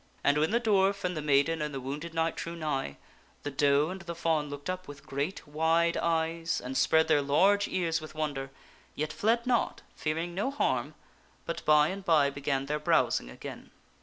And when the dwarf and the maiden and the wounded knight drew nigh, the doe and the fawn looked up with great wide eyes and spread their large ears with 272 THE STORY OF SIR PELLIAS wonder, yet fled not, fearing no harm, but by and by began their browsing again.